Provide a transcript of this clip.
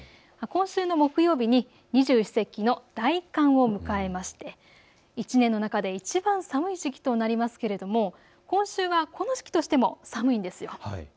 今週の木曜日に二十四節気の大寒を迎えまして１年の中でいちばん寒い時期となりますけれども今週はこの時期としても寒いんですよ。